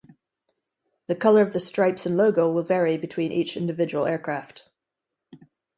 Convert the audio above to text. The colour of the stripes and logo will vary between each individual aircraft.